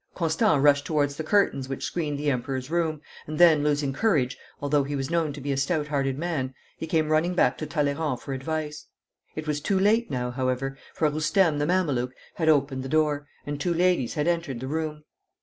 Constant rushed towards the curtains which screened the Emperor's room, and then, losing courage, although he was known to be a stout hearted man, he came running back to Talleyrand for advice. It was too late now, however, for Roustem the Mameluke had opened the door, and two ladies had entered the room.